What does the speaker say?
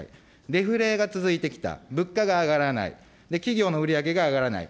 デフレが続いてきた、物価が上がらない、企業の売り上げが上がらない。